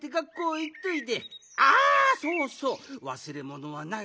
あそうそうわすれものはないね？